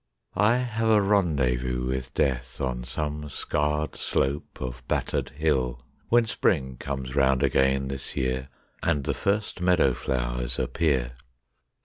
I have a rendezvous with Death On some scarred slope of battered hill, When Spring comes round again this year And the first meadow flowers appear.